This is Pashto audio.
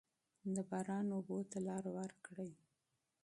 د باران اوبو ته لاره ورکړئ.